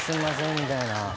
みたいな。